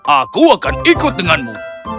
aku akan ikut denganmu